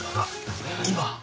今？